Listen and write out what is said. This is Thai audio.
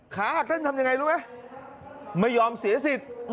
ขาหักเต้นทำยังไงรู้ไหมไม่ยอมเสียสิทธิ์